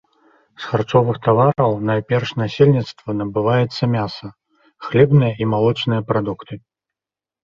З харчовых тавараў найперш насельніцтва набываецца мяса, хлебныя і малочныя прадукты.